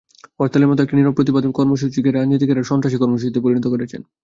হরতালের মতো একটি নীরব প্রতিবাদ কর্মসূচিকে রাজনীতিকেরা সন্ত্রাসী কর্মসূচিতে পরিণত করেছেন।